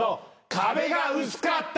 「壁が薄かった」